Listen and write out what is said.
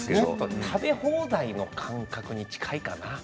食べ放題の感覚に近いかな。